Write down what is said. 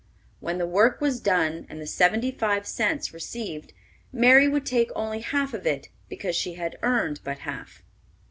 When the work was done, and the seventy five cents received, Mary would take only half of it, because she had earned but half.